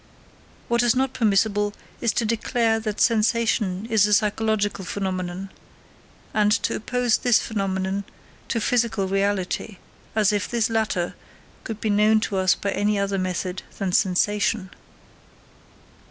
What is not permissible is to declare that sensation is a psychological phenomenon, and to oppose this phenomenon to physical reality, as if this latter could be known to us by any other method than sensation.